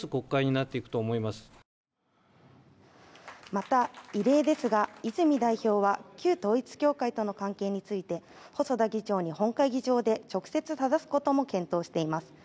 また、異例ですが泉代表は旧統一教会との関係について細田議長に本会議場で直接正すことも検討しています。